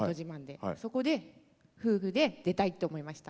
そこで夫婦で出たいって思いました。